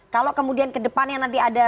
kalau kemudian ke depannya nanti ada